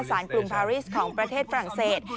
สารกลุ่มพารีสของประเทศฝรั่งเศส